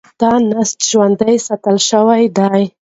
دا نسج ژوندي ساتل شوی دی.